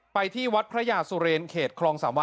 ไปที่วัดพระยาสุเรนเขตคลองสามวา